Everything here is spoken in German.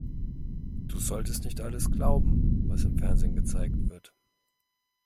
Du solltest nicht alles glauben, was im Fernsehen gezeigt wird.